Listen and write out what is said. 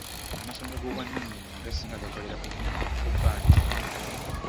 Amasomero g'obwannanyini agasinga gakolera ku bbanja.